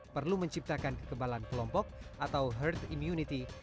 perlu menciptakan kekebalan kelompok atau herd immunity